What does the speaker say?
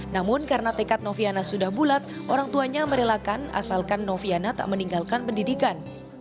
namun karena tekad noviana sudah bulat orang tuanya merelakan asalkan noviana tak meninggalkan pendidikan